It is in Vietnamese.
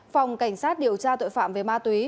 phòng cảnh sát điều tra tội phạm về ma túy